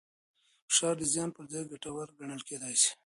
فشار د زیان پر ځای ګټور ګڼل کېدای شي.